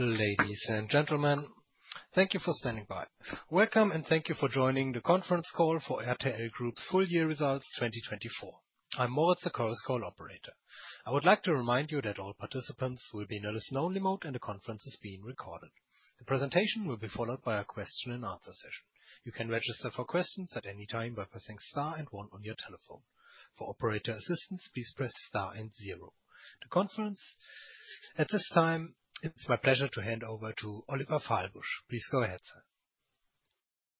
Ladies and gentlemen, thank you for standing by. Welcome, and thank you for joining the conference call for RTL Group's full-year results 2024. I'm Moritz, the call operator. I would like to remind you that all participants will be in a listen-only mode, and the conference is being recorded. The presentation will be followed by a question and answer session. You can register for questions at any time by pressing star and one on your telephone. For operator assistance, please press star and zero. The conference at this time, it's my pleasure to hand over to Oliver Fahlbusch. Please go ahead, sir.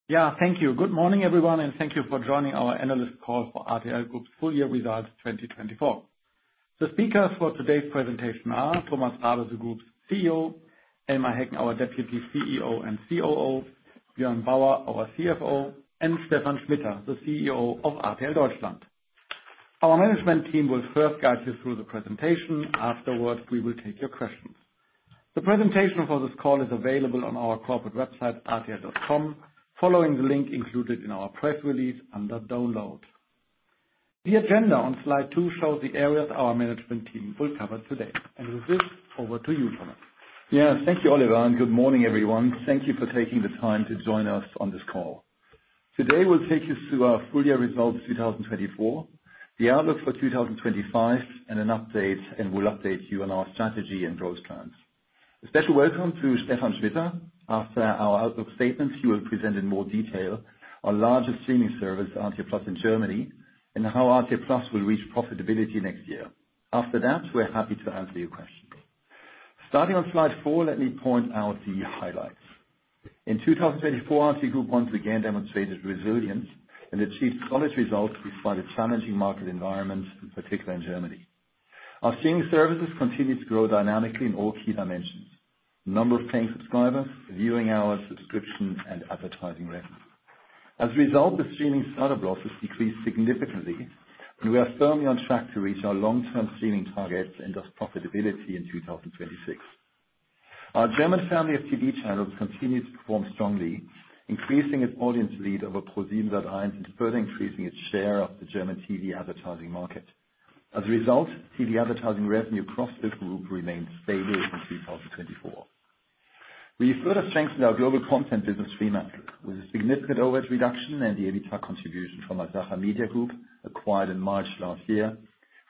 Yeah, thank you. Good morning, everyone, and thank you for joining our analyst call for RTL Group's full-year results 2024. The speakers for today's presentation are Thomas Rabe, the Group's CEO, Elmar Heggen, our Deputy CEO and COO, Björn Bauer, our CFO, and Stephan Schmitter, the CEO of RTL Deutschland. Our management team will first guide you through the presentation. Afterwards, we will take your questions. The presentation for this call is available on our corporate website, rtl.com, following the link included in our press release under download. The agenda on slide two shows the areas our management team will cover today. With this, over to you, Thomas. Yes, thank you, Oliver, and good morning, everyone. Thank you for taking the time to join us on this call. Today, we'll take you through our full-year results 2024, the outlook for 2025, and an update, and we'll update you on our strategy and growth plans. A special welcome to Stephan Schmitter. After our outlook statements, he will present in more detail our largest streaming service, RTL+ in Germany, and how RTL+ will reach profitability next year. After that, we're happy to answer your questions. Starting on slide four, let me point out the highlights. In 2024, RTL Group once again demonstrated resilience and achieved solid results despite a challenging market environment, in particular in Germany. Our streaming services continue to grow dynamically in all key dimensions: number of paying subscribers, viewing hours, subscription, and advertising revenue. As a result, the streaming startup losses decreased significantly, and we are firmly on track to reach our long-term streaming targets and profitability in 2026. Our German family of TV channels continues to perform strongly, increasing its audience lead over ProSiebenSat.1 and further increasing its share of the German TV advertising market. As a result, TV advertising revenue across the group remained stable in 2024. We further strengthened our global content business, Fremantle, with a significant overhead reduction and the EBITDA contribution from our Asacha Media Group, acquired in March last year.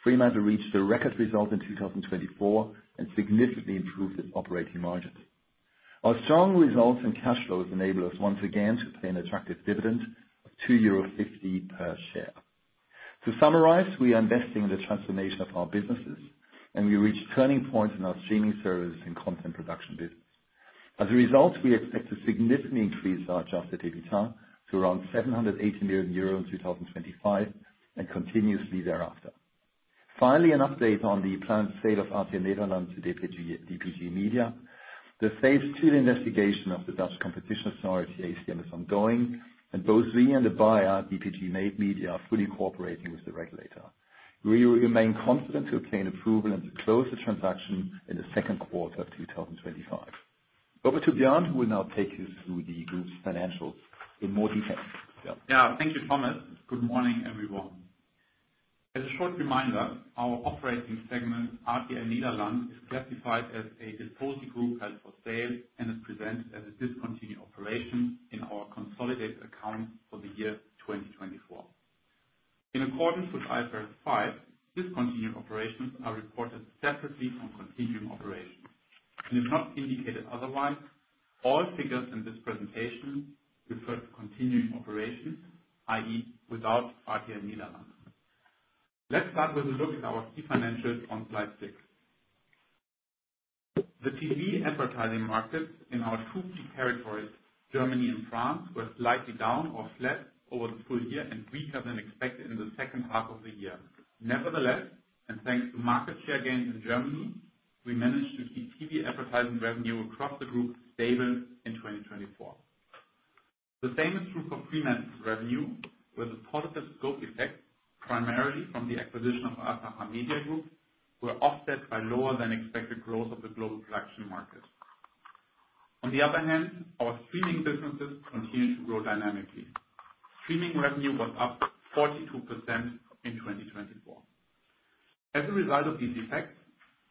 Fremantle reached a record result in 2024 and significantly improved its operating margins. Our strong results and cash flows enable us once again to pay an attractive dividend of 2.50 euro per share. To summarize, we are investing in the transformation of our businesses, and we reached turning points in our streaming services and content production business. As a result, we expect to significantly increase our Adjusted EBITDA to around 780 million euro in 2025 and continuously thereafter. Finally, an update on the planned sale of RTL Nederland to DPG Media. The sale is still in investigation of the The Netherlands Authority for Consumers and Markets, ACM, is ongoing, and both we and the buyer, DPG Media, are fully cooperating with the regulator. We remain confident to obtain approval and to close the transaction in the second quarter of 2025. Over to Björn, who will now take you through the group's financials in more detail. Yeah, thank you, Thomas. Good morning, everyone. As a short reminder, our operating segment, RTL Nederland, is classified as a disposal group held for sale and is presented as a discontinued operation in our consolidated accounts for the year 2024. In accordance with IFRS 5, discontinued operations are reported separately from continuing operations, and if not indicated otherwise, all figures in this presentation refer to continuing operations, i.e., without RTL Nederland. Let's start with a look at our key financials on slide six. The TV advertising markets in our two key territories, Germany and France, were slightly down or flat over the full year and weaker than expected in the second half of the year. Nevertheless, and thanks to market share gains in Germany, we managed to keep TV advertising revenue across the group stable in 2024. The same is true for Fremantle's revenue, with a positive scope effect primarily from the acquisition of Asacha Media Group, which was offset by lower-than-expected growth of the global production market. On the other hand, our streaming businesses continued to grow dynamically. Streaming revenue was up 42% in 2024. As a result of these effects,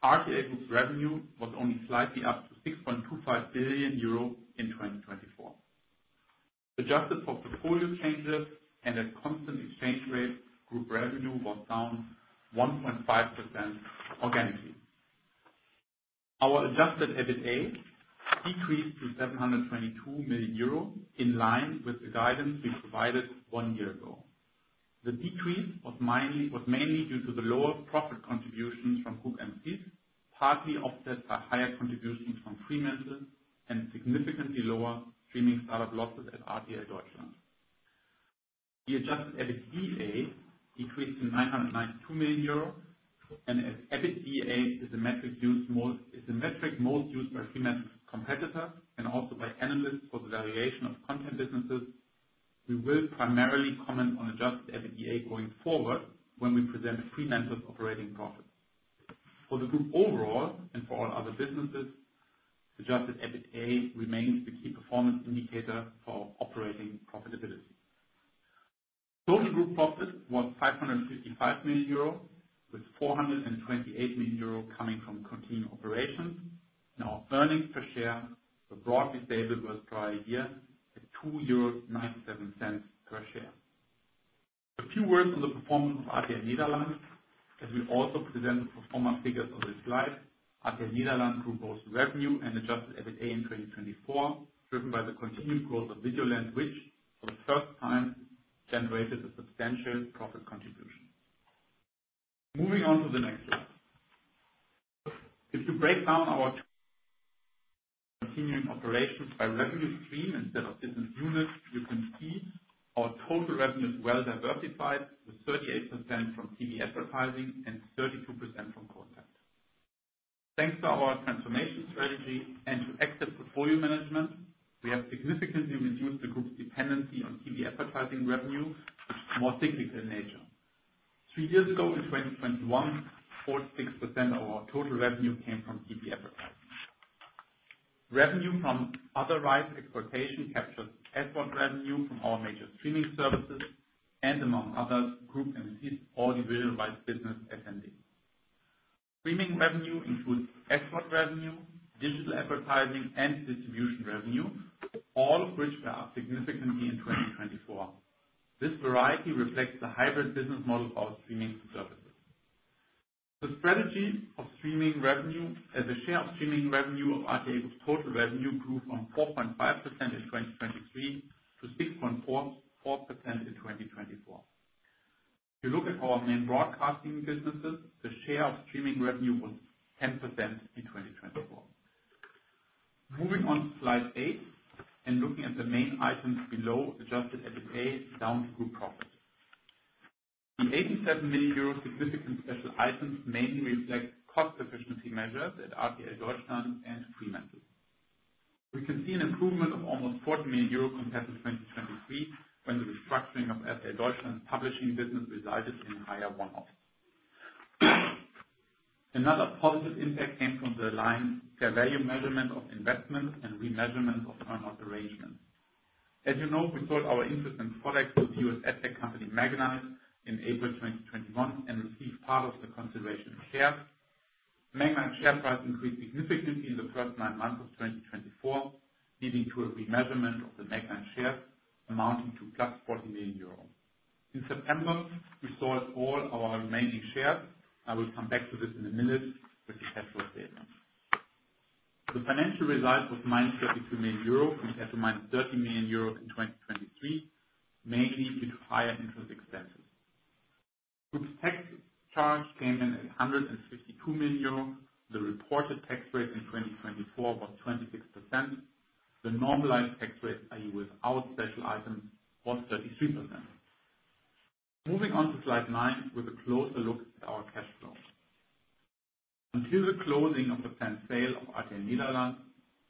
RTL Group's revenue was only slightly up to 6.25 billion euro in 2024. Adjusted for portfolio changes and at constant exchange rates, group revenue was down 1.5% organically. Our Adjusted EBITDA decreased to 722 million euro in line with the guidance we provided one year ago. The decrease was mainly due to the lower profit contributions from group entities, partly offset by higher contributions from Fremantle and significantly lower streaming startup losses at RTL Deutschland. The Adjusted EBITDA decreased to 992 million euro, and as EBITDA is a metric most used by Fremantle's competitors and also by analysts for the variation of content businesses, we will primarily comment on Adjusted EBITDA going forward when we present Fremantle's operating profits. For the group overall and for all other businesses, Adjusted EBITDA remains the key performance indicator for operating profitability. Total group profit was 555 million euro, with 428 million euro coming from continuing operations. Now, earnings per share were broadly stable versus prior year at 2.97 euros per share. A few words on the performance of RTL Nederland. As we also present the performance figures on this slide, RTL Nederland grew both revenue and Adjusted EBITDA in 2024, driven by the continued growth of Videoland, which for the first time generated a substantial profit contribution. Moving on to the next slide. If you break down our continuing operations by revenue stream instead of business unit, you can see our total revenue is well diversified, with 38% from TV advertising and 32% from content. Thanks to our transformation strategy and to active portfolio management, we have significantly reduced the group's dependency on TV advertising revenue, which is more cyclical in nature. Three years ago, in 2021, 46% of our total revenue came from TV advertising. Revenue from other rights exploitation captures export revenue from our major streaming services and, among others, group entities or the division rights business, SND. Streaming revenue includes export revenue, digital advertising, and distribution revenue, all of which were up significantly in 2024. This variety reflects the hybrid business model of our streaming services. The strategy of streaming revenue, as a share of streaming revenue of RTL Group's total revenue, grew from 4.5% in 2023 to 6.4% in 2024. If you look at our main broadcasting businesses, the share of streaming revenue was 10% in 2024. Moving on to slide eight and looking at the main items below Adjusted EBITDA down to group profit. The 87 million euro significant special items mainly reflect cost efficiency measures at RTL Deutschland and Fremantle. We can see an improvement of almost 40 million euro compared to 2023, when the restructuring of RTL Deutschland's publishing business resulted in higher one-offs. Another positive impact came from the line fair value measurement of investments and remeasurement of earn-out arrangements. As you know, we sold our interest in SpotX to the U.S. ad-tech company, Magnite, in April 2021 and received part of the consideration shares. Magnite's share price increased significantly in the first nine months of 2024, leading to a remeasurement of the Magnite shares amounting to 40 million euros. In September, we sold all our remaining shares. I will come back to this in a minute with the cash flow statement. The financial result was 32 million euros compared to 30 million euros in 2023, mainly due to higher interest expenses. Group's tax charge came in at 152 million euro. The reported tax rate in 2024 was 26%. The normalized tax rate, i.e., without special items, was 33%. Moving on to slide nine with a closer look at our cash flow. Until the closing of the planned sale of RTL Nederland,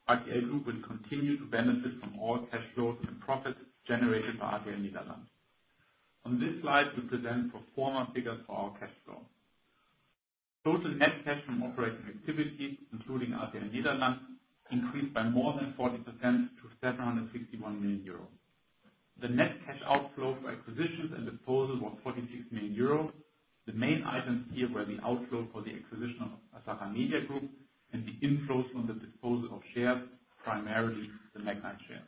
RTL Group will continue to benefit from all cash flows and profits generated by RTL Nederland. On this slide, we present pro forma figures for our cash flow. Total net cash from operating activities, including RTL Nederland, increased by more than 40% to 761 million euros. The net cash outflow for acquisitions and disposal was 46 million euros. The main items here were the outflow for the acquisition of Asacha Media Group and the inflows from the disposal of shares, primarily the Magnite shares.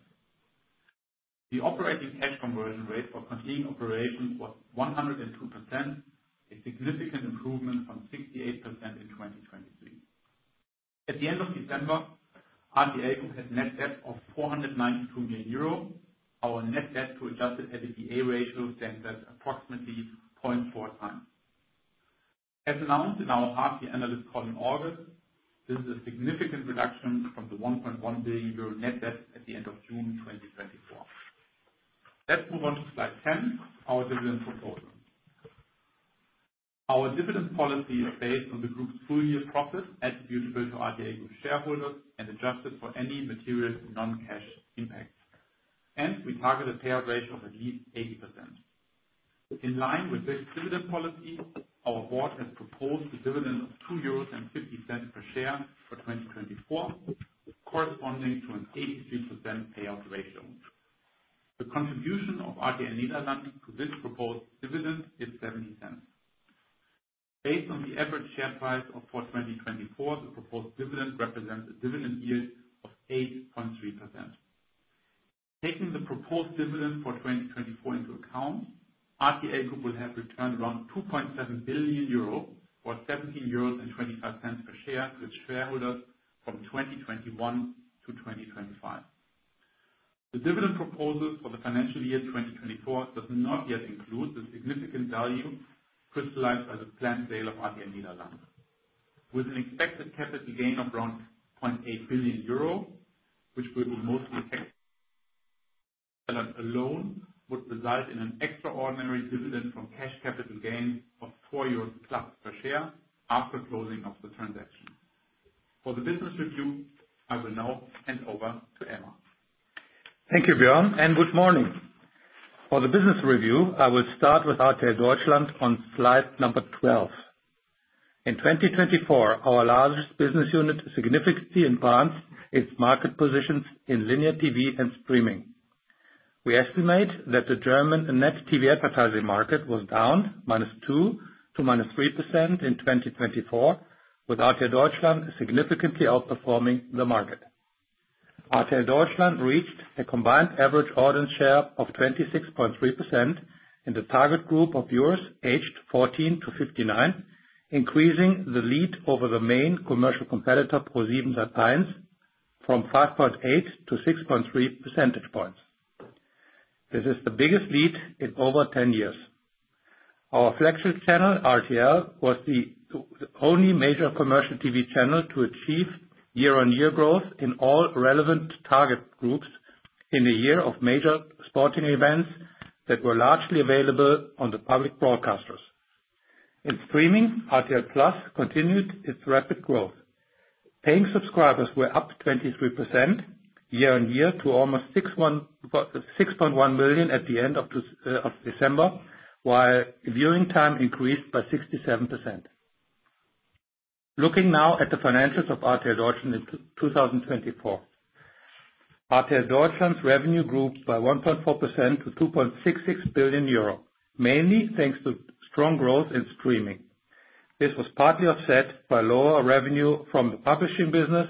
The operating cash conversion rate for continuing operations was 102%, a significant improvement from 68% in 2023. At the end of December, RTL Group had net debt of 492 million euro. Our net debt to Adjusted EBITDA ratio stands at approximately 0.4 times. As announced in our RTL analyst call in August, this is a significant reduction from the 1.1 billion euro net debt at the end of June 2024. Let's move on to slide 10, our dividend proposal. Our dividend policy is based on the group's full-year profits attributable to RTL Group shareholders and adjusted for any material non-cash impact. We target a payout ratio of at least 80%. In line with this dividend policy, our board has proposed a dividend of 2.50 euros per share for 2024, corresponding to an 83% payout ratio. The contribution of RTL Nederland to this proposed dividend is 0.70. Based on the average share price for 2024, the proposed dividend represents a dividend yield of 8.3%. Taking the proposed dividend for 2024 into account, RTL Group will have returned around 2.7 billion euro or 17.25 euros per share to its shareholders from 2021 to 2025. The dividend proposal for the financial year 2024 does not yet include the significant value crystallized by the planned sale of RTL Nederland. With an expected capital gain of around 0.8 billion euro, which will be mostly alone, would result in an extraordinary dividend from cash capital gain of 4 euros plus per share after closing of the transaction. For the business review, I will now hand over to Elmar. Thank you, Björn, and good morning. For the business review, I will start with RTL Deutschland on slide number 12. In 2024, our largest business unit significantly advanced its market positions in linear TV and streaming. We estimate that the German net TV advertising market was down -2% to -3% in 2024, with RTL Deutschland significantly outperforming the market. RTL Deutschland reached a combined average audience share of 26.3% in the target group of viewers aged 14 to 59, increasing the lead over the main commercial competitor ProSiebenSat.1 from 5.8 to 6.3 percentage points. This is the biggest lead in over 10 years. Our flagship channel, RTL, was the only major commercial TV channel to achieve year-on-year growth in all relevant target groups in a year of major sporting events that were largely available on the public broadcasters. In streaming, RTL+ continued its rapid growth. Paying subscribers were up 23% year-on-year to almost 6.1 million at the end of December, while viewing time increased by 67%. Looking now at the financials of RTL Deutschland in 2024, RTL Deutschland's revenue grew by 1.4% to 2.66 billion euro, mainly thanks to strong growth in streaming. This was partly offset by lower revenue from the publishing business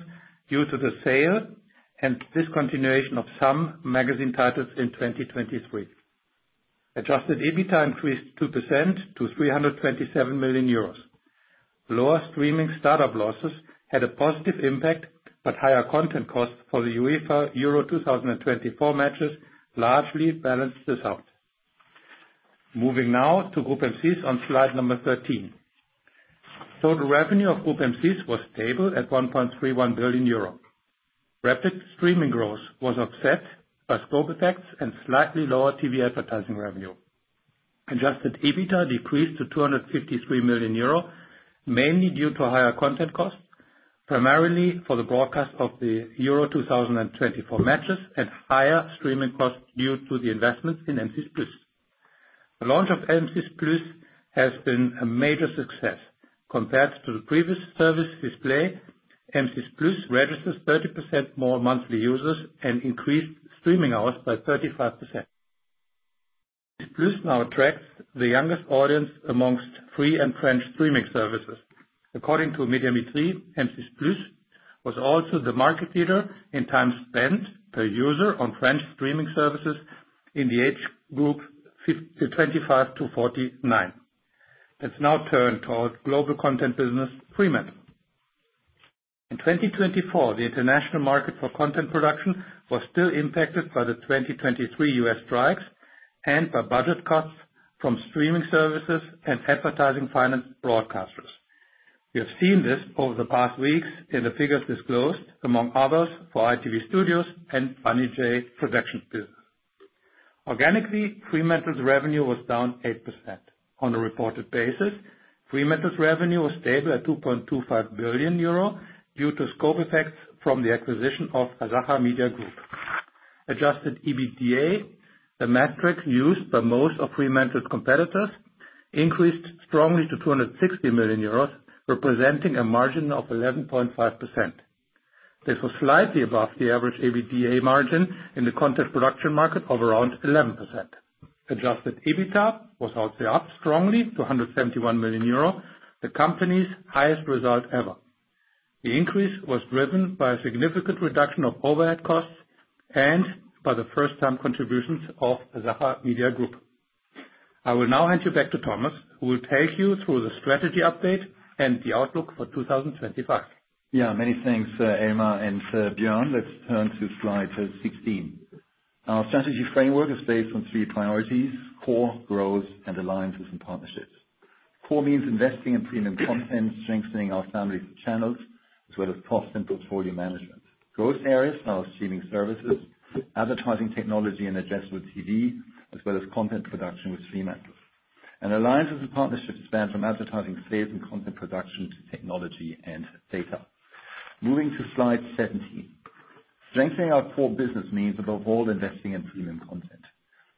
due to the sale and discontinuation of some magazine titles in 2023. Adjusted EBITDA increased 2% to 327 million euros. Lower streaming startup losses had a positive impact, but higher content costs for the UEFA Euro 2024 matches largely balanced this out. Moving now to Groupe M6 on slide number 13. Total revenue of Groupe M6 was stable at 1.31 billion euro. Rapid streaming growth was offset by scope effects and slightly lower TV advertising revenue. Adjusted EBITDA decreased to 253 million euro, mainly due to higher content costs, primarily for the broadcast of the UEFA Euro 2024 matches and higher streaming costs due to the investments in M6+. The launch of M6+ has been a major success. Compared to the previous service 6play, M6+ registered 30% more monthly users and increased streaming hours by 35%. M6+ now attracts the youngest audience amongst free and French streaming services. According to Médiamétrie, M6+ was also the market leader in time spent per user on French streaming services in the age group 25 to 49. That is now turned toward global content business, Fremantle. In 2024, the international market for content production was still impacted by the 2023 U.S. strikes and by budget cuts from streaming services and advertising-financed broadcasters. We have seen this over the past weeks in the figures disclosed, among others, for ITV Studios and Banijay Productions. Organically, Fremantle's revenue was down 8%. On a reported basis, Fremantle's revenue was stable at 2.25 billion euro due to scope effects from the acquisition of Asacha Media Group. Adjusted EBITDA, the metric used by most of Fremantle's competitors, increased strongly to 260 million euros, representing a margin of 11.5%. This was slightly above the average EBITDA margin in the content production market of around 11%. Adjusted EBITDA was also up strongly to 171 million euro, the company's highest result ever. The increase was driven by a significant reduction of overhead costs and by the first-time contributions of Asacha Media Group. I will now hand you back to Thomas, who will take you through the strategy update and the outlook for 2025. Yeah, many thanks, Elmar and Björn. Let's turn to slide 16. Our strategy framework is based on three priorities: core, growth, and alliances and partnerships. Core means investing in premium content, strengthening our family channels, as well as cost and portfolio management. Growth areas are streaming services, advertising technology and addressable TV, as well as content production with Fremantle. Alliances and partnerships span from advertising sales and content production to technology and data. Moving to slide 17. Strengthening our core business means, above all, investing in premium content.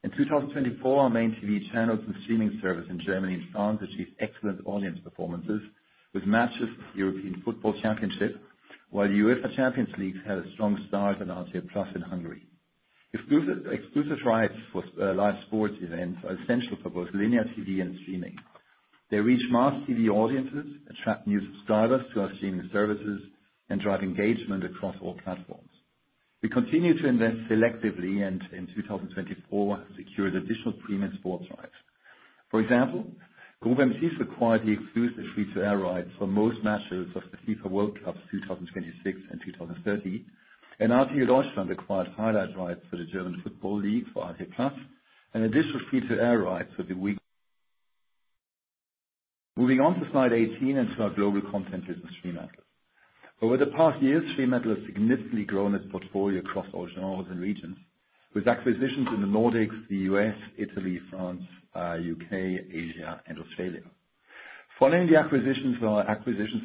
In 2024, our main TV channels and streaming service in Germany and France achieved excellent audience performances, with matches for the UEFA European Championship, while the UEFA Champions League had a strong start at RTL+ in Hungary. Exclusive rights for live sports events are essential for both linear TV and streaming. They reach mass TV audiences, attract new subscribers to our streaming services, and drive engagement across all platforms. We continue to invest selectively and, in 2024, secure additional premium sports rights. For example, Groupe M6 acquired the exclusive free-to-air rights for most matches of the FIFA World Cup 2026 and 2030, and RTL Deutschland acquired highlight rights for the German Football League for RTL+ and additional free-to-air rights for the NFL. Moving on to slide 18 and to our global content business, Fremantle. Over the past year, Fremantle has significantly grown its portfolio across all genres and regions, with acquisitions in the Nordics, the U.S., Italy, France, the U.K., Asia, and Australia. Following the acquisitions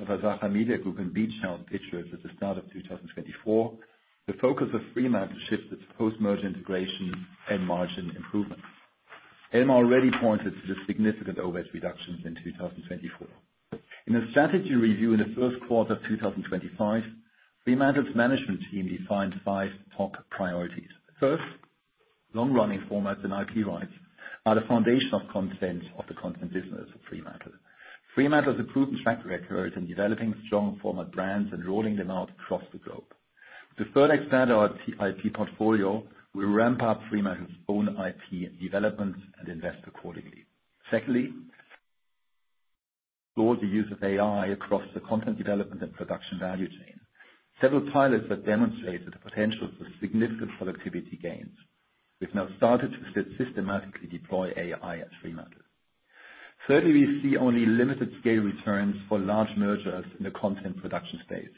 of Asacha Media Group and Beach House Pictures at the start of 2024, the focus of Fremantle shifted to post-merger integration and margin improvements. Elmar already pointed to the significant overhead reductions in 2024. In the strategy review in the first quarter of 2025, Fremantle's management team defined five top priorities. First, long-running formats and IP rights are the foundation of the content business of Fremantle. Fremantle has a proven track record in developing strong format brands and rolling them out across the globe. To further expand our IP portfolio, we ramp up Fremantle's own IP development and invest accordingly. Secondly, we explored the use of AI across the content development and production value chain. Several pilots have demonstrated the potential for significant productivity gains. We've now started to systematically deploy AI at Fremantle. Thirdly, we see only limited scale returns for large mergers in the content production space.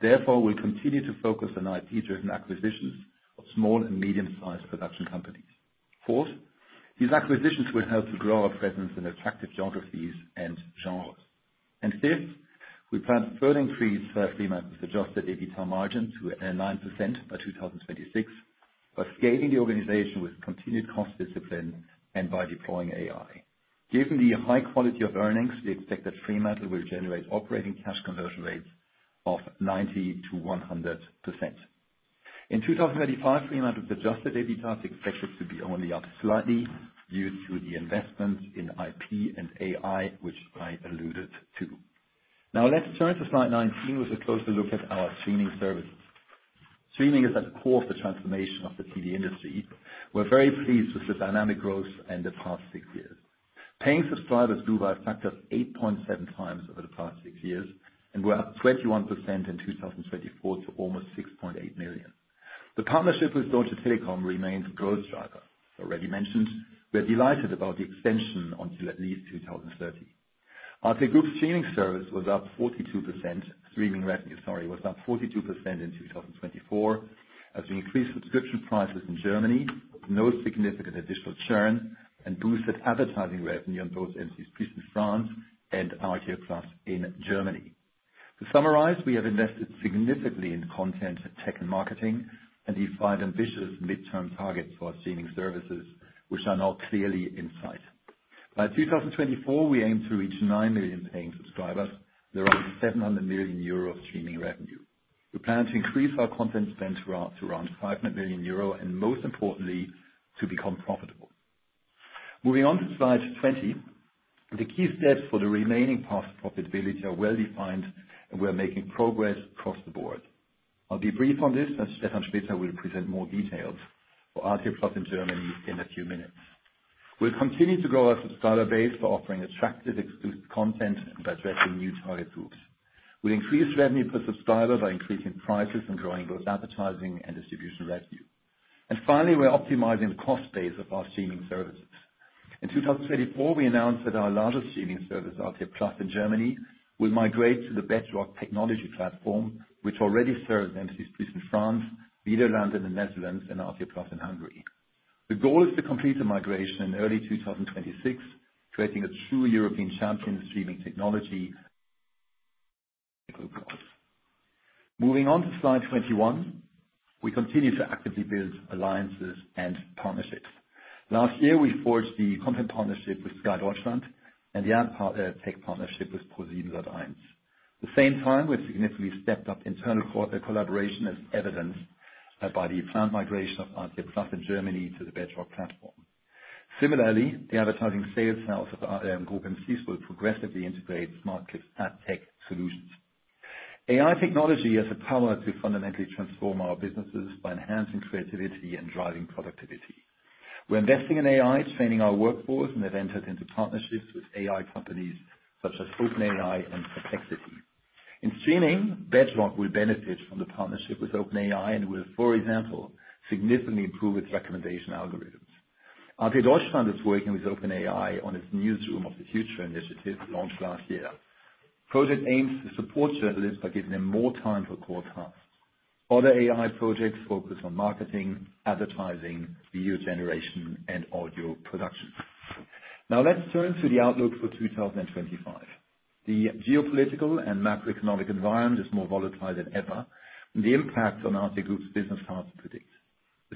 Therefore, we'll continue to focus on IP-driven acquisitions of small and medium-sized production companies. Fourth, these acquisitions will help to grow our presence in attractive geographies and genres. Fifth, we plan to further increase Fremantle's Adjusted EBITDA margin to 9% by 2026 by scaling the organization with continued cost discipline and by deploying AI. Given the high quality of earnings, we expect that Fremantle will generate operating cash conversion rates of 90%-100%. In 2025, Fremantle's Adjusted EBITDA is expected to be only up slightly due to the investments in IP and AI, which I alluded to. Now, let's turn to slide 19 with a closer look at our streaming services. Streaming is at the core of the transformation of the TV industry. We're very pleased with the dynamic growth in the past six years. Paying subscribers grew by a factor of 8.7 times over the past six years and were up 21% in 2024 to almost 6.8 million. The partnership with Deutsche Telekom remains a growth driver. Already mentioned, we're delighted about the extension until at least 2030. RTL Group's streaming revenue was up 42% in 2024 as we increased subscription prices in Germany with no significant additional churn and boosted advertising revenue on both M6+ in France and RTL+ in Germany. To summarize, we have invested significantly in content and tech and marketing and defined ambitious midterm targets for our streaming services, which are now clearly in sight. By 2024, we aim to reach 9 million paying subscribers and around 700 million euro streaming revenue. We plan to increase our content spend to around 500 million euro and, most importantly, to become profitable. Moving on to slide 20, the key steps for the remaining parts of profitability are well-defined and we're making progress across the board. I'll be brief on this, as Stephan Schmitter will present more details for RTL+ in Germany in a few minutes. We'll continue to grow our subscriber base by offering attractive exclusive content and by addressing new target groups. We'll increase revenue per subscriber by increasing prices and growing both advertising and distribution revenue. Finally, we're optimizing the cost base of our streaming services. In 2024, we announced that our largest streaming service, RTL+ in Germany, will migrate to the Bedrock technology platform, which already serves M6+ in France, Videoland in the Netherlands, and RTL+ in Hungary. The goal is to complete the migration in early 2026, creating a true European champion streaming technology. Moving on to slide 21, we continue to actively build alliances and partnerships. Last year, we forged the content partnership with Sky Deutschland and the ad tech partnership with ProSiebenSat.1. At the same time, we've significantly stepped up internal collaboration, as evidenced by the planned migration of RTL+ in Germany to the Bedrock platform. Similarly, the advertising sales house of our Groupe M6 will progressively integrate smart tech solutions. AI technology has the power to fundamentally transform our businesses by enhancing creativity and driving productivity. We're investing in AI, training our workforce, and have entered into partnerships with AI companies such as OpenAI and Perplexity. In streaming, Bedrock will benefit from the partnership with OpenAI and will, for example, significantly improve its recommendation algorithms. RTL Deutschland is working with OpenAI on its Newsroom of the Future initiative launched last year. The project aims to support journalists by giving them more time for core tasks. Other AI projects focus on marketing, advertising, video generation, and audio production. Now, let's turn to the outlook for 2025. The geopolitical and macroeconomic environment is more volatile than ever, and the impact on RTL Group's business cards predicts.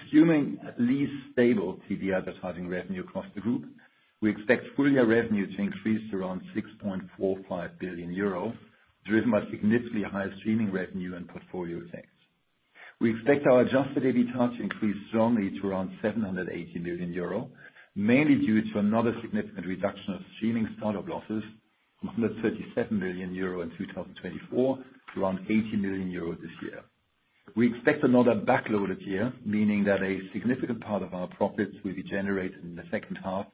Assuming at least stable TV advertising revenue across the group, we expect full-year revenue to increase to around 6.45 billion euro, driven by significantly higher streaming revenue and portfolio effects. We expect our Adjusted EBITDA to increase strongly to around 780 million euro, mainly due to another significant reduction of streaming startup losses from 137 million euro in 2024 to around 80 million euro this year. We expect another backlog this year, meaning that a significant part of our profits will be generated in the second half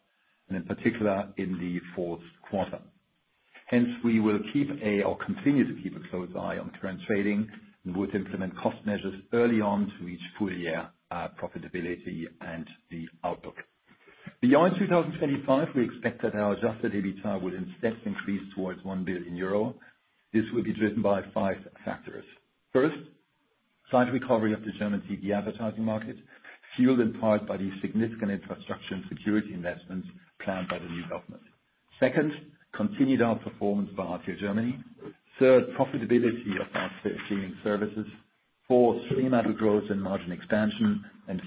and, in particular, in the fourth quarter. Hence, we will keep a or continue to keep a close eye on current trading and would implement cost measures early on to reach full-year profitability and the outlook. Beyond 2025, we expect that our Adjusted EBITDA will instead increase towards 1 billion euro. This will be driven by five factors. First, slight recovery of the German TV advertising market, fueled in part by the significant infrastructure and security investments planned by the new government. Second, continued outperformance by RTL Deutschland. Third, profitability of our streaming services. Fourth, stream ad growth and margin expansion.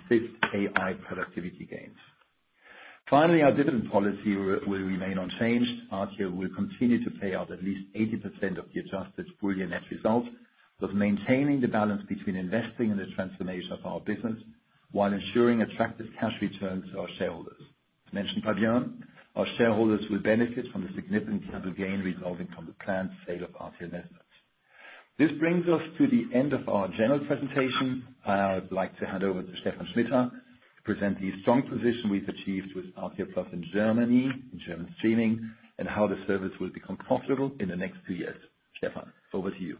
Fifth, AI productivity gains. Finally, our dividend policy will remain unchanged. RTL Group will continue to pay out at least 80% of the adjusted full-year net result, thus maintaining the balance between investing in the transformation of our business while ensuring attractive cash returns to our shareholders. As mentioned by Björn, our shareholders will benefit from the significant capital gain resulting from the planned sale of RTL investments. This brings us to the end of our general presentation. I'd like to hand over to Stephan Schmitter to present the strong position we've achieved with RTL+ in Germany, in German streaming, and how the service will become profitable in the next two years. Stephan, over to you.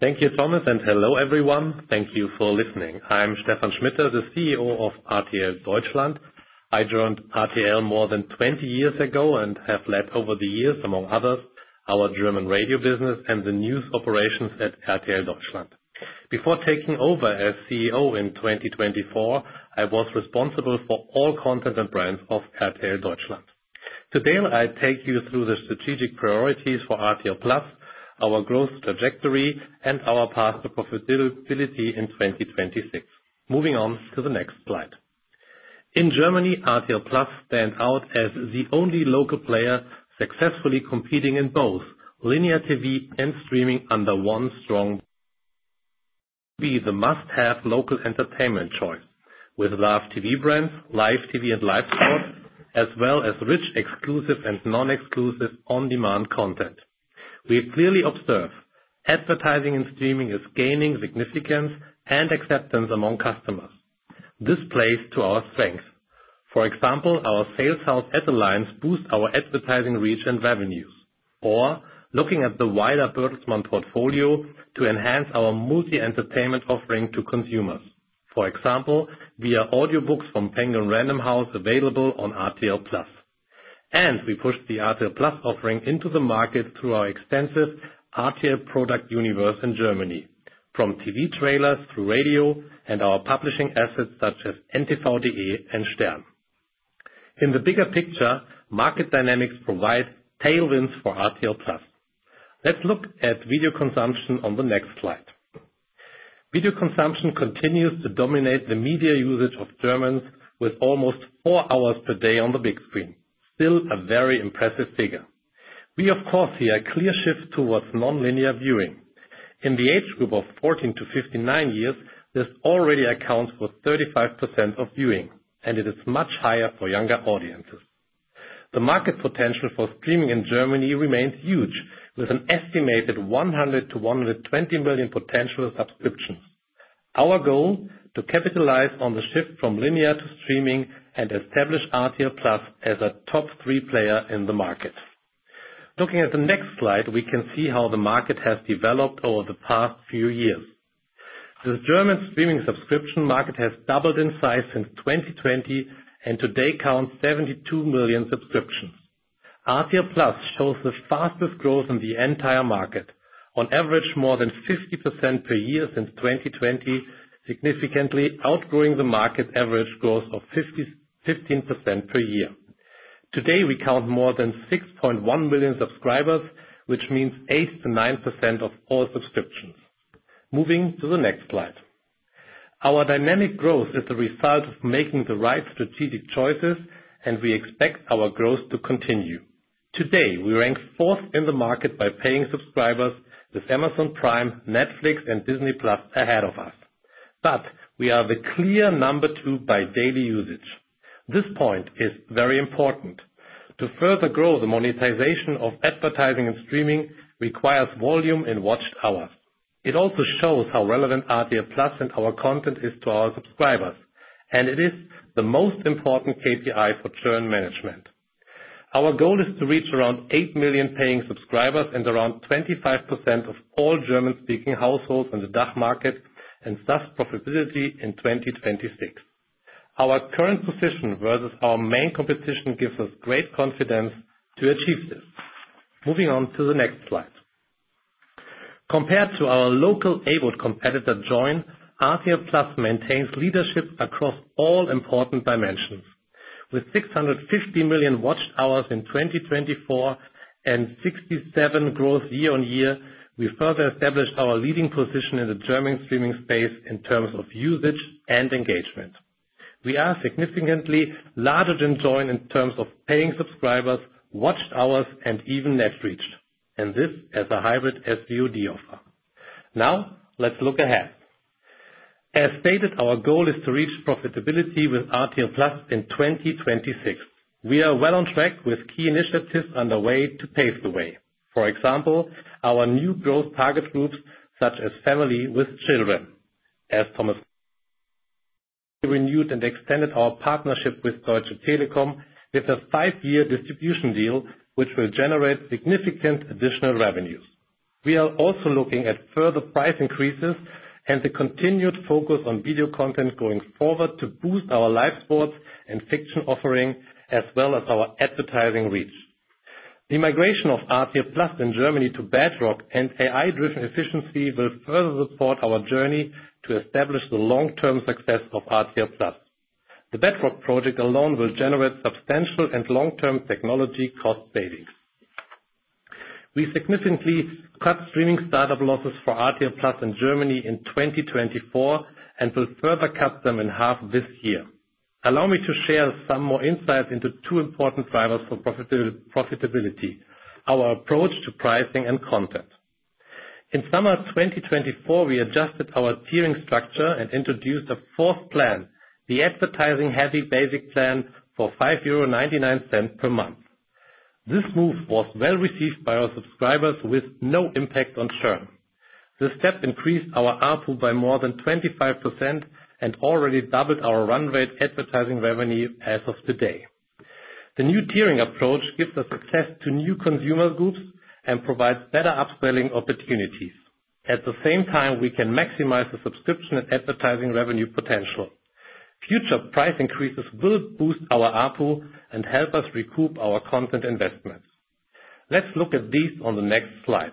Thank you, Thomas, and hello, everyone. Thank you for listening. I'm Stephan Schmitter, the CEO of RTL Deutschland. I joined RTL more than 20 years ago and have led over the years, among others, our German radio business and the news operations at RTL Deutschland. Before taking over as CEO in 2024, I was responsible for all content and brands of RTL Deutschland. Today, I'll take you through the strategic priorities for RTL+, our growth trajectory, and our path to profitability in 2026. Moving on to the next slide. In Germany, RTL+ stands out as the only local player successfully competing in both linear TV and streaming under one strong. We are the must-have local entertainment choice with live TV brands, live TV, and live sports, as well as rich exclusive and non-exclusive on-demand content. We clearly observe advertising and streaming is gaining significance and acceptance among customers. This plays to our strengths. For example, our sales house Ad Alliance boosts our advertising reach and revenues. Looking at the wider Bertelsmann portfolio to enhance our multi-entertainment offering to consumers, for example, via audiobooks from Penguin Random House available on RTL+. We push the RTL+ offering into the market through our extensive RTL product universe in Germany, from TV trailers through radio and our publishing assets such as n-tv.de and Stern. In the bigger picture, market dynamics provide tailwinds for RTL+. Let's look at video consumption on the next slide. Video consumption continues to dominate the media usage of Germans with almost four hours per day on the big screen, still a very impressive figure. We, of course, see a clear shift towards non-linear viewing. In the age group of 14 to 59 years, this already accounts for 35% of viewing, and it is much higher for younger audiences. The market potential for streaming in Germany remains huge, with an estimated 100-120 million potential subscriptions. Our goal is to capitalize on the shift from linear to streaming and establish RTL+ as a top three player in the market. Looking at the next slide, we can see how the market has developed over the past few years. The German streaming subscription market has doubled in size since 2020 and today counts 72 million subscriptions. RTL+ shows the fastest growth in the entire market, on average more than 50% per year since 2020, significantly outgrowing the market average growth of 15% per year. Today, we count more than 6.1 million subscribers, which means 8%-9% of all subscriptions. Moving to the next slide. Our dynamic growth is the result of making the right strategic choices, and we expect our growth to continue. Today, we rank fourth in the market by paying subscribers, with Amazon Prime, Netflix, and Disney+ ahead of us. We are the clear number two by daily usage. This point is very important. To further grow, the monetization of advertising and streaming requires volume in watched hours. It also shows how relevant RTL+ and our content is to our subscribers, and it is the most important KPI for churn management. Our goal is to reach around 8 million paying subscribers and around 25% of all German-speaking households on the DACH market and thus profitability in 2026. Our current position versus our main competition gives us great confidence to achieve this. Moving on to the next slide. Compared to our local AVOD competitor, Joyn, RTL+ maintains leadership across all important dimensions. With 650 million watched hours in 2024 and 67% growth year-on-year, we further established our leading position in the German streaming space in terms of usage and engagement. We are significantly larger than Joyn in terms of paying subscribers, watched hours, and even net reach, and this as a hybrid SVOD offer. Now, let's look ahead. As stated, our goal is to reach profitability with RTL+ in 2026. We are well on track with key initiatives underway to pave the way. For example, our new growth target groups, such as families with children. As Thomas renewed and extended our partnership with Deutsche Telekom with a five-year distribution deal, which will generate significant additional revenues. We are also looking at further price increases and the continued focus on video content going forward to boost our live sports and fiction offering, as well as our advertising reach. The migration of RTL+ in Germany to Bedrock and AI-driven efficiency will further support our journey to establish the long-term success of RTL+. The Bedrock project alone will generate substantial and long-term technology cost savings. We significantly cut streaming startup losses for RTL+ in Germany in 2024 and will further cut them in half this year. Allow me to share some more insights into two important drivers for profitability: our approach to pricing and content. In summer 2024, we adjusted our tiering structure and introduced a fourth plan, the advertising heavy basic plan for 5.99 euro per month. This move was well received by our subscribers with no impact on churn. This step increased our ARPU by more than 25% and already doubled our run rate advertising revenue as of today. The new tiering approach gives us access to new consumer groups and provides better upselling opportunities. At the same time, we can maximize the subscription and advertising revenue potential. Future price increases will boost our ARPU and help us recoup our content investments. Let's look at these on the next slide.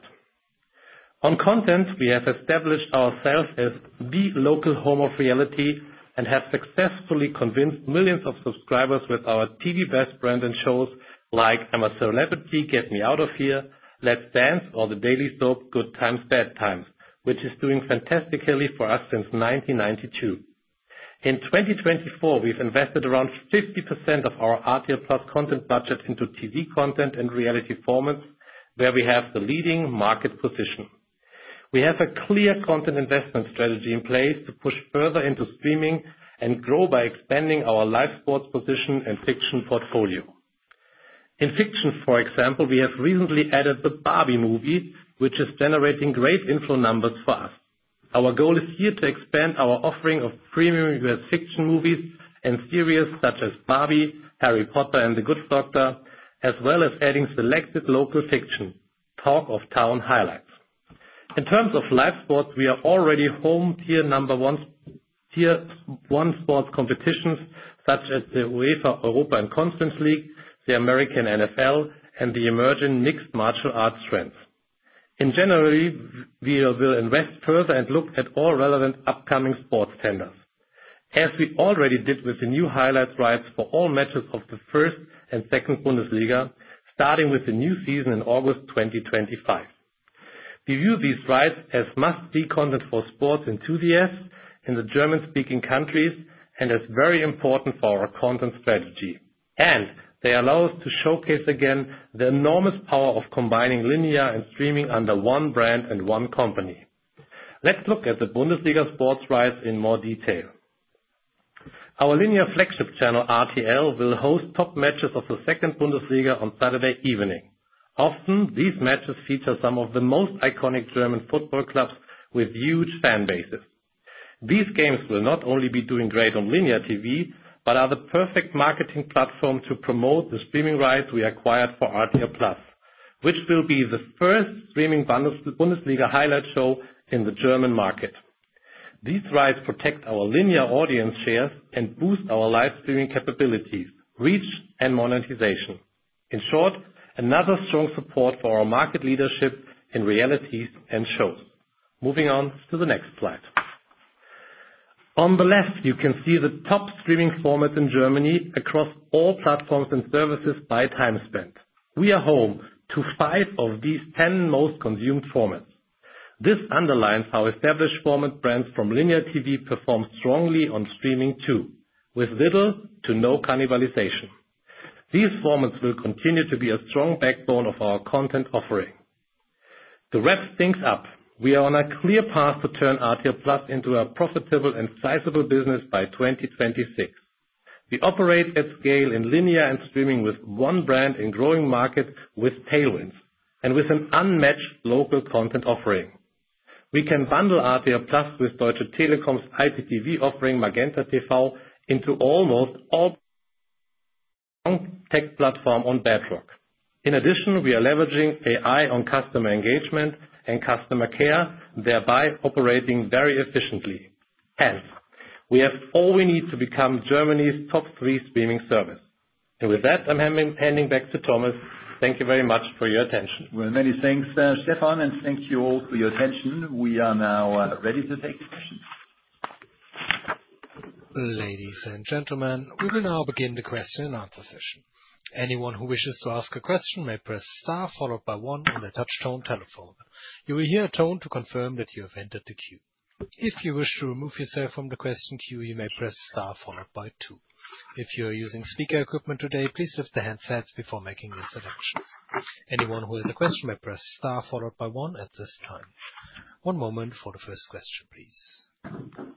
On content, we have established ourselves as the local home of reality and have successfully convinced millions of subscribers with our TV best brand and shows like I'm a Celebrity...Get Me Out of Here!, Let's Dance, or the daily soap, Good Times, Bad Times, which is doing fantastically for us since 1992. In 2024, we've invested around 50% of our RTL+ content budget into TV content and reality formats, where we have the leading market position. We have a clear content investment strategy in place to push further into streaming and grow by expanding our live sports position and fiction portfolio. In fiction, for example, we have recently added the Barbie movie, which is generating great inflow numbers for us. Our goal is here to expand our offering of premium U.S. fiction movies and series such as Barbie, Harry Potter, and The Good Doctor, as well as adding selected local fiction, talk of town highlights. In terms of live sports, we are already home to number one sports competitions such as the UEFA Europa and Conference League, the American NFL, and the emerging mixed martial arts trends. In January, we will invest further and look at all relevant upcoming sports tenders, as we already did with the new highlights rights for all matches of the first and second Bundesliga, starting with the new season in August 2025. We view these rights as must-see content for sports enthusiasts in the German-speaking countries and as very important for our content strategy. They allow us to showcase again the enormous power of combining linear and streaming under one brand and one company. Let's look at the Bundesliga sports rights in more detail. Our linear flagship channel, RTL, will host top matches of the second Bundesliga on Saturday evening. Often, these matches feature some of the most iconic German football clubs with huge fan bases. These games will not only be doing great on linear TV, but are the perfect marketing platform to promote the streaming rights we acquired for RTL+. This will be the first streaming Bundesliga highlight show in the German market. These rights protect our linear audience shares and boost our live streaming capabilities, reach, and monetization. In short, another strong support for our market leadership in realities and shows. Moving on to the next slide. On the left, you can see the top streaming formats in Germany across all platforms and services by time spent. We are home to five of these ten most consumed formats. This underlines how established format brands from linear TV perform strongly on streaming too, with little to no cannibalization. These formats will continue to be a strong backbone of our content offering. To wrap things up, we are on a clear path to turn RTL+ into a profitable and sizable business by 2026. We operate at scale in linear and streaming with one brand in growing markets with tailwinds and with an unmatched local content offering. We can bundle RTL+ with Deutsche Telekom's IPTV offering, MagentaTV, into almost all tech platforms on Bedrock. In addition, we are leveraging AI on customer engagement and customer care, thereby operating very efficiently. Hence, we have all we need to become Germany's top three streaming service. With that, I'm handing back to Thomas. Thank you very much for your attention. Many thanks, Stephan, and thank you all for your attention. We are now ready to take questions. Ladies and gentlemen, we will now begin the question and answer session. Anyone who wishes to ask a question may press star followed by one on the touch-tone telephone. You will hear a tone to confirm that you have entered the queue. If you wish to remove yourself from the question queue, you may press star followed by two. If you are using speaker equipment today, please lift the headsets before making your selections. Anyone who has a question may press star followed by one at this time. One moment for the first question, please.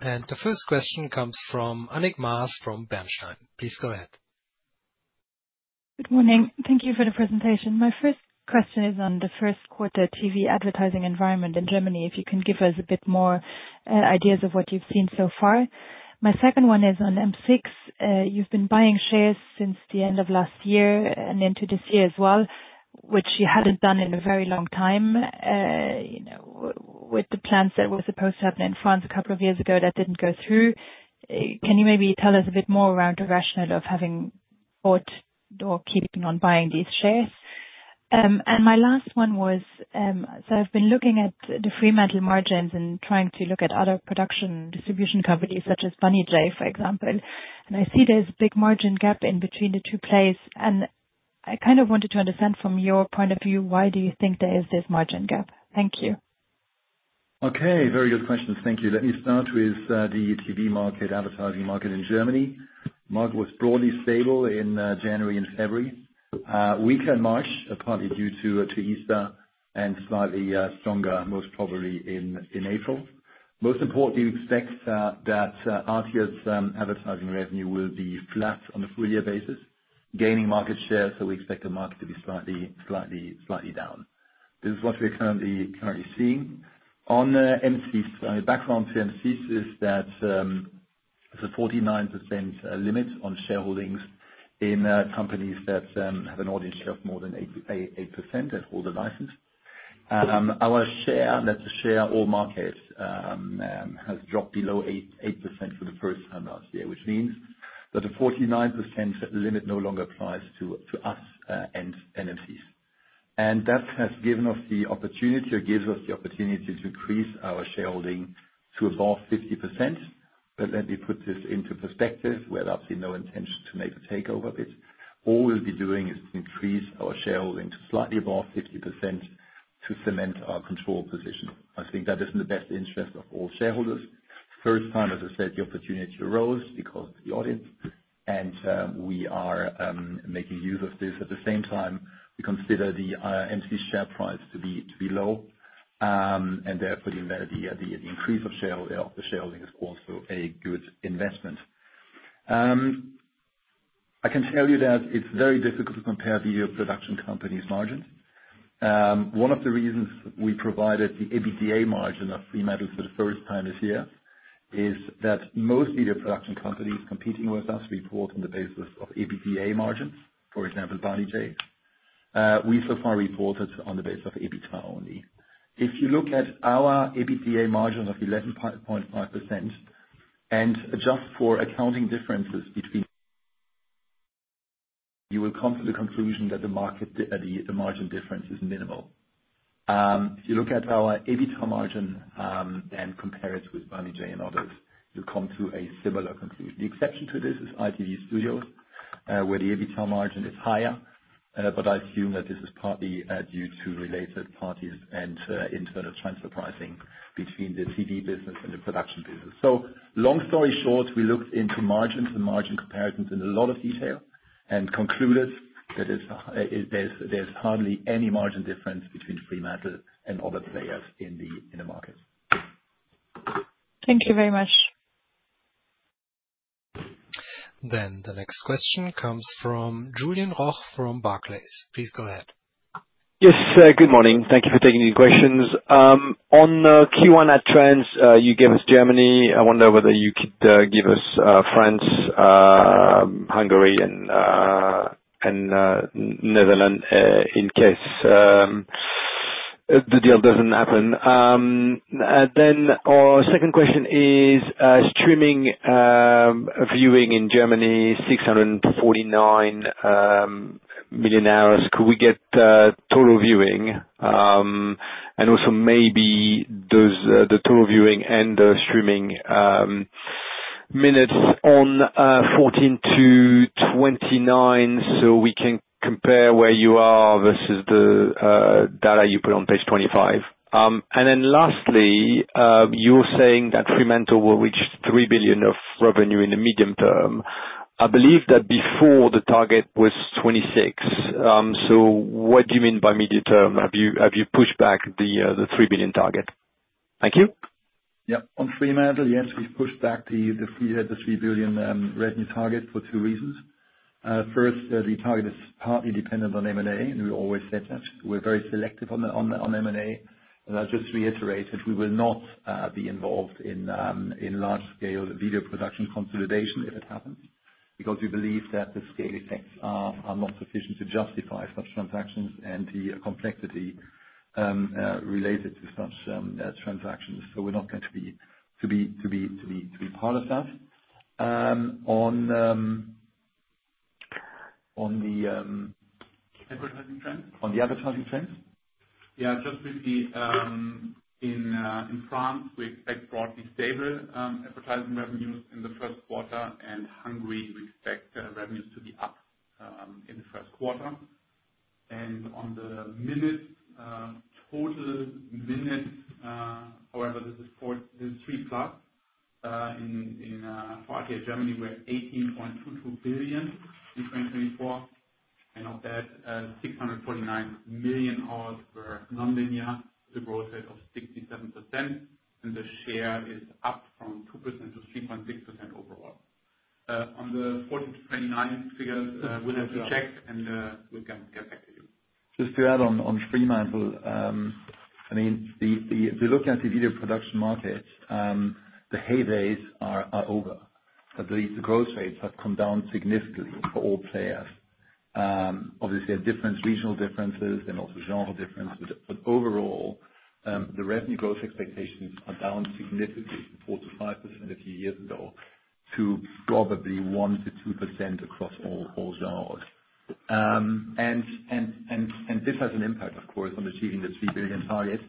The first question comes from Annick Maas from Bernstein. Please go ahead. Good morning. Thank you for the presentation. My first question is on the first quarter TV advertising environment in Germany, if you can give us a bit more ideas of what you've seen so far. My second one is on M6. You've been buying shares since the end of last year and into this year as well, which you hadn't done in a very long time with the plans that were supposed to happen in France a couple of years ago that didn't go through. Can you maybe tell us a bit more around the rationale of having bought or keeping on buying these shares? My last one was, I've been looking at the Fremantle margins and trying to look at other production distribution companies such as Banijay, for example. I see there's a big margin gap in between the two plays. I kind of wanted to understand from your point of view, why do you think there is this margin gap? Thank you. Okay, very good question. Thank you. Let me start with the TV market, advertising market in Germany. The market was broadly stable in January and February. Weaker in March, partly due to Easter and slightly stronger, most probably in April. Most importantly, we expect that RTL's advertising revenue will be flat on a full-year basis, gaining market share. We expect the market to be slightly down. This is what we're currently seeing. On M6, my background to M6 is that it's a 49% limit on shareholdings in companies that have an audience share of more than 8% and hold a license. I want to share that the share of market has dropped below 8% for the first time last year, which means that the 49% limit no longer applies to us and M6. That has given us the opportunity or gives us the opportunity to increase our shareholding to above 50%. Let me put this into perspective, where there's absolutely no intention to make a takeover of it. All we'll be doing is to increase our shareholding to slightly above 50% to cement our control position. I think that is in the best interest of all shareholders. First time, as I said, the opportunity arose because of the audience. We are making use of this. At the same time, we consider the M6 share price to be low. Therefore, the increase of shareholding is also a good investment. I can tell you that it's very difficult to compare video production companies' margins. One of the reasons we provided the EBITDA margin of Fremantle for the first time this year is that most video production companies competing with us report on the basis of EBITDA margins, for example, Banijay. We so far reported on the basis of EBITA only. If you look at our EBITDA margin of 11.5% and adjust for accounting differences between, you will come to the conclusion that the margin difference is minimal. If you look at our EBITA margin and compare it with Banijay and others, you'll come to a similar conclusion. The exception to this is ITV Studios, where the EBITA margin is higher. I assume that this is partly due to related parties and internal transfer pricing between the TV business and the production business. Long story short, we looked into margins and margin comparisons in a lot of detail and concluded that there's hardly any margin difference between Fremantle and other players in the market. Thank you very much. The next question comes from Julien Roch from Barclays. Please go ahead. Yes, good morning. Thank you for taking the questions. On Q1 ad trends, you gave us Germany. I wonder whether you could give us France, Hungary, and Netherlands in case the deal does not happen. Then our second question is streaming viewing in Germany, 649 million hours. Could we get total viewing? Also maybe the total viewing and the streaming minutes on 14 to 29, so we can compare where you are versus the data you put on page 25. Lastly, you're saying that Fremantle will reach 3 billion of revenue in the medium term. I believe that before the target was 2026. What do you mean by medium term? Have you pushed back the 3 billion target? Thank you. Yeah, on Fremantle, yes, we've pushed back the 3 billion revenue target for two reasons. First, the target is partly dependent on M&A, and we always said that. We're very selective on M&A. I'll just reiterate that we will not be involved in large-scale video production consolidation if it happens, because we believe that the scale effects are not sufficient to justify such transactions and the complexity related to such transactions. We are not going to be part of that. On the advertising trends. Yeah, just briefly, in France, we expect broadly stable advertising revenues in the first quarter, and in Hungary, we expect revenues to be up in the first quarter. On the total minutes, however, this is 3+. In Germany, we're at 18.22 billion in 2024. Of that, 649 million hours were non-linear, with a growth rate of 67%. The share is up from 2% to 3.6% overall. On the 14 to 29 figures, we'll have to check, and we'll get back to you. Just to add on Fremantle, I mean, if you look at the video production market, the heydays are over. The growth rates have come down significantly for all players. Obviously, there are different regional differences and also genre differences. Overall, the revenue growth expectations are down significantly from 4%-5% a few years ago to probably 1%-2% across all genres. This has an impact, of course, on achieving the 3 billion target.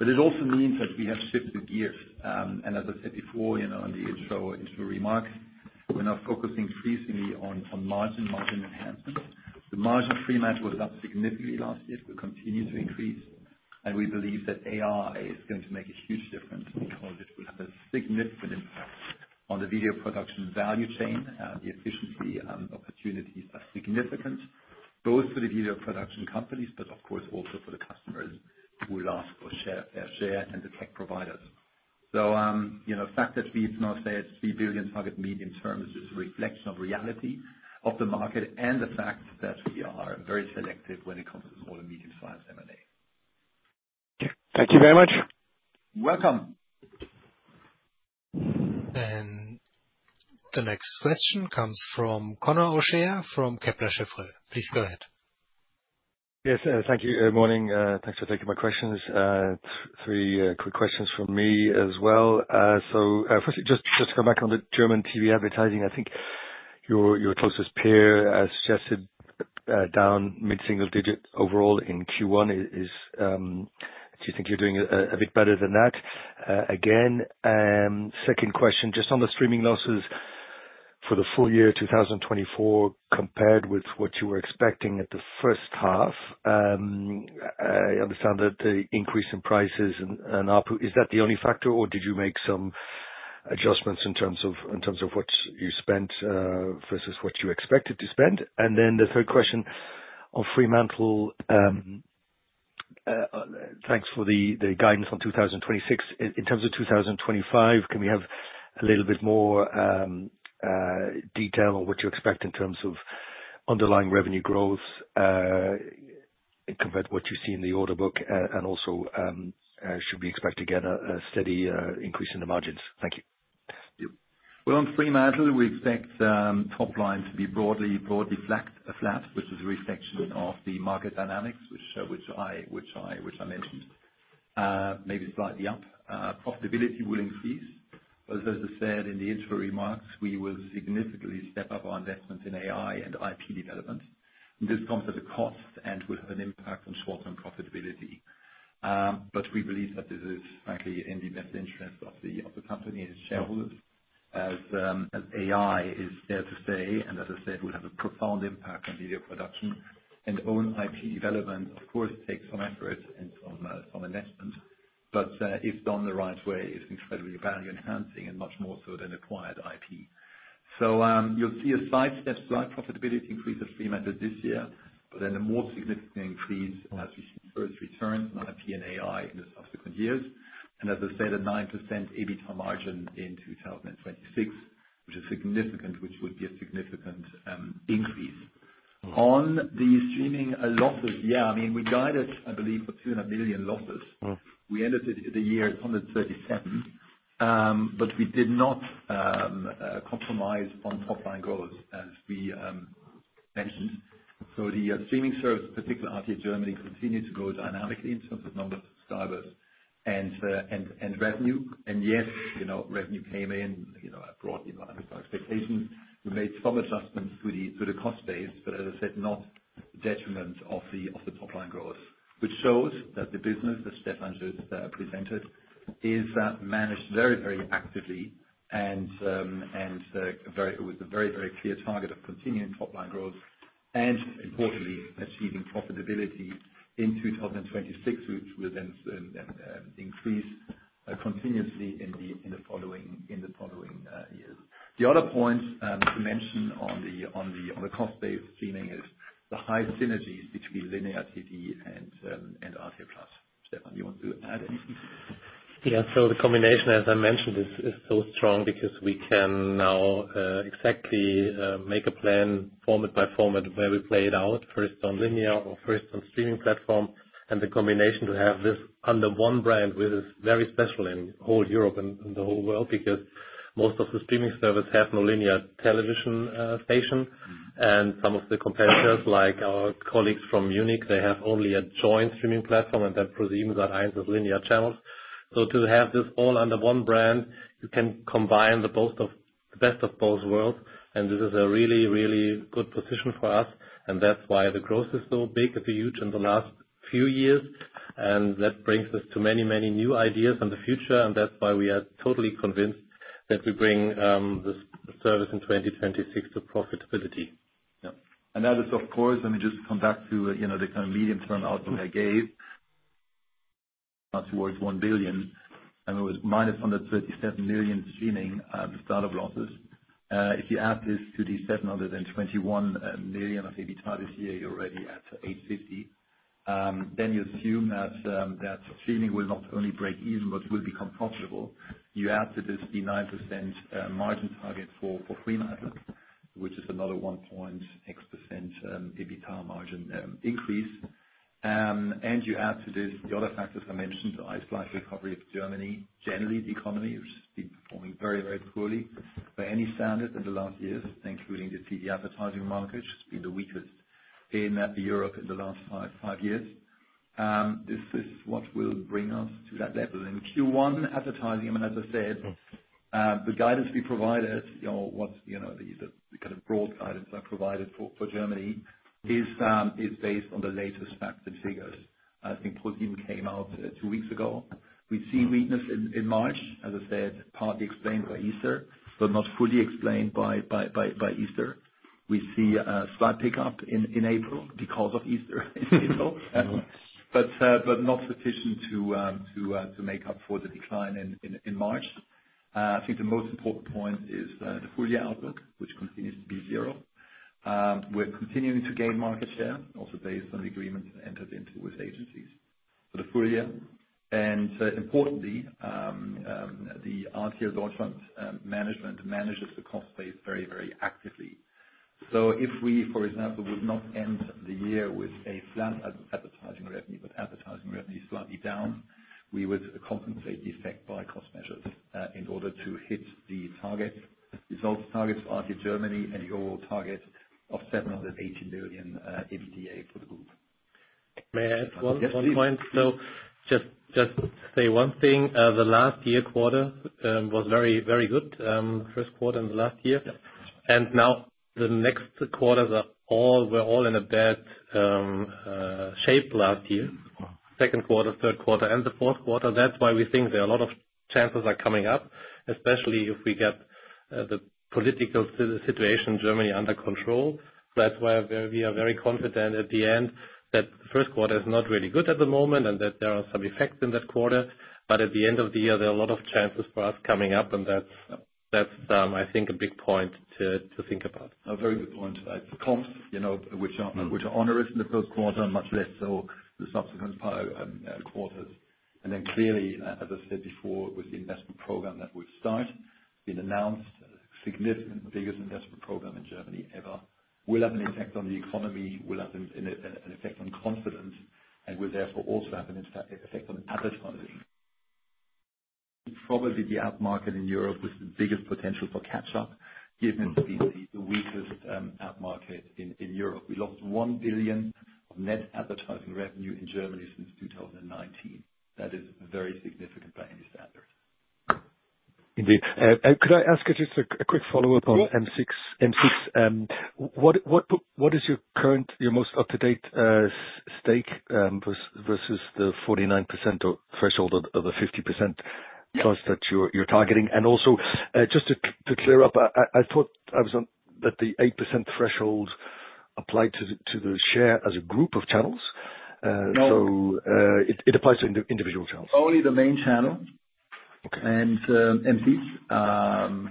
It also means that we have shifted gears. As I said before in the intro remarks, we are now focusing increasingly on margin enhancement. The margin at Fremantle was up significantly last year. It will continue to increase. We believe that AI is going to make a huge difference because it will have a significant impact on the video production value chain. The efficiency opportunities are significant, both for the video production companies, but of course, also for the customers who will ask for share and the tech providers. The fact that we've now said 3 billion target medium term is just a reflection of reality of the market and the fact that we are very selective when it comes to small and medium-sized M&A. Thank you very much. Welcome. The next question comes from Conor O'Shea from Kepler Cheuvreux. Please go ahead. Yes, thank you. Good morning. Thanks for taking my questions. Three quick questions from me as well. First, just to go back on the German TV advertising, I think your closest peer suggested down mid-single digit overall in Q1. Do you think you're doing a bit better than that? Again, second question, just on the streaming losses for the full year 2024 compared with what you were expecting at the first half, I understand that the increase in prices and up, is that the only factor, or did you make some adjustments in terms of what you spent versus what you expected to spend? Then the third question on Fremantle. Thanks for the guidance on 2026. In terms of 2025, can we have a little bit more detail on what you expect in terms of underlying revenue growth compared to what you see in the order book and also should we expect to get a steady increase in the margins? Thank you. On Fremantle, we expect top line to be broadly flat, which is a reflection of the market dynamics, which I mentioned. Maybe slightly up. Profitability, ruling fees. As I said in the intro remarks, we will significantly step up our investments in AI and IP development. This comes at a cost and will have an impact on short-term profitability. We believe that this is frankly in the best interest of the company and shareholders as AI is there to stay. As I said, it will have a profound impact on video production. Own IP development, of course, takes some effort and some investment. If done the right way, it is incredibly value-enhancing and much more so than acquired IP. You will see a slight step, slight profitability increase of Fremantle this year, but then a more significant increase. As we see first returns in IP and AI in the subsequent years. As I said, a 9% EBITDA margin in 2026, which is significant, which would be a significant increase. On the streaming losses, yeah, I mean, we guided I believe for 200 million losses. We ended the year at 137 million, but we did not compromise on top line growth, as we mentioned. The streaming service, particularly RTL Deutschland, continues to grow dynamically in terms of number of subscribers and revenue. Yes, revenue came in broadly by expectations. We made some adjustments to the cost base, but as I said, not detrimental of the top line growth, which shows that the business, as Stephan just presented, is managed very, very actively and with a very, very clear target of continuing top line growth and, importantly, achieving profitability in 2026, which will then increase continuously in the following years. The other point to mention on the cost base of streaming is the high synergies between linear TV and RTL+. Stephan, do you want to add anything to this? Yeah, the combination, as I mentioned, is so strong because we can now exactly make a plan, format by format, where we play it out, first on linear or first on streaming platform. The combination to have this under one brand is very special in all Europe and the whole world because most of the streaming services have no linear television station. Some of the competitors, like our colleagues from Munich, have only a Joyn streaming platform, and that presumes that lineup of linear channels. To have this all under one brand, you can combine the best of both worlds. This is a really, really good position for us. That is why the growth is so big. It is huge in the last few years. That brings us to many, many new ideas in the future. That is why we are totally convinced that we bring this service in 2026 to profitability. Yeah. That is, of course, let me just come back to the kind of medium-term outlook I gave towards 1 billion. I mean, it was minus 137 million streaming startup losses. If you add this to the 721 million of EBITDA this year, you're already at 850 million. You assume that streaming will not only break even, but will become profitable. You add to this the 9% margin target for Fremantle, which is another 1.x% EBITDA margin increase. You add to this the other factors I mentioned, the slight recovery of Germany. Generally, the economy has been performing very, very poorly by any standard in the last years, including the TV advertising market. It's been the weakest in Europe in the last five years. This is what will bring us to that level. In Q1 advertising, I mean, as I said, the guidance we provided, what the kind of broad guidance I provided for Germany is based on the latest facts and figures. I think it came out two weeks ago. We see weakness in March, as I said, partly explained by Easter, but not fully explained by Easter. We see a slight pickup in April because of Easter in April, but not sufficient to make up for the decline in March. I think the most important point is the full year outlook, which continues to be zero. We're continuing to gain market share, also based on the agreements entered into with agencies for the full year. Importantly, the RTL management manages the cost base very, very actively. If we, for example, would not end the year with a flat advertising revenue, but advertising revenue is slightly down, we would compensate the effect by cost measures in order to hit the target results targets for RTL Deutschland and your target of 780 million EBITDA for the group. May I add one point? Just to say one thing, the last year quarter was very, very good, first quarter and the last year. Now the next quarters were all in a bad shape last year, second quarter, third quarter, and the fourth quarter. That is why we think there are a lot of chances coming up, especially if we get the political situation in Germany under control. That is why we are very confident at the end that the first quarter is not really good at the moment and that there are some effects in that quarter. At the end of the year, there are a lot of chances for us coming up. That is, I think, a big point to think about. A very good point. The comps, which are on the risk in the first quarter, much less so the subsequent quarters. Clearly, as I said before, with the investment program that we have started, been announced, significantly biggest investment program in Germany ever, will have an effect on the economy, will have an effect on confidence, and will therefore also have an effect on advertising. Probably the ad market in Europe with the biggest potential for catch-up, given the weakest ad market in Europe. We lost 1 billion of net advertising revenue in Germany since 2019. That is very significant by any standard. Indeed. Could I ask just a quick follow-up on M6? What is your current, your most up-to-date stake versus the 49% threshold of the 50%+ that you're targeting? Also, just to clear up, I thought that the 8% threshold applied to the share as a group of channels. It applies to individual channels. Only the main channel and M6,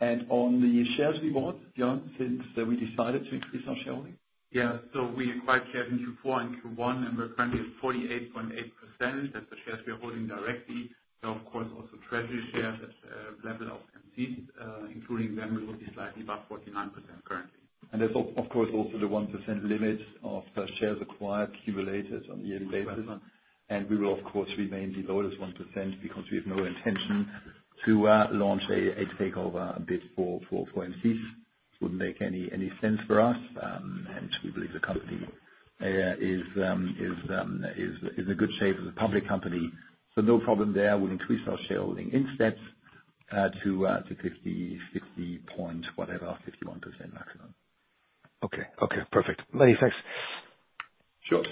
and on the shares we bought, Björn, since we decided to increase our shareholding? Yeah. We acquired shares in Q4 and Q1, and we're currently at 48.8%. That's the shares we're holding directly. Of course, also treasury shares at the level of M6, including them, we will be slightly above 49% currently. That is, of course, also the 1% limit of shares acquired, accumulated on a yearly basis. We will, of course, remain below this 1% because we have no intention to launch a takeover bid for Groupe M6. It would not make any sense for us. We believe the company is in good shape as a public company. No problem there. We will increase our shareholding instead to 50 point whatever, 51% maximum. Okay. Okay. Perfect. Many thanks. Sure.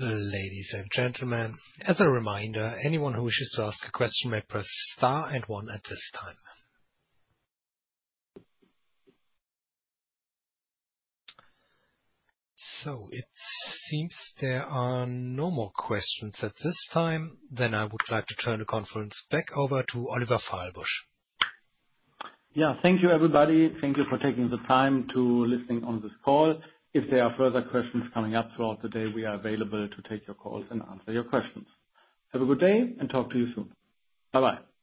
Ladies and gentlemen, as a reminder, anyone who wishes to ask a question may press star and one at this time. It seems there are no more questions at this time. I would like to turn the conference back over to Oliver Fahlbusch. Thank you, everybody. Thank you for taking the time to listen on this call. If there are further questions coming up throughout the day, we are available to take your calls and answer your questions. Have a good day and talk to you soon. Bye-bye.